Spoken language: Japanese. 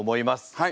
はい。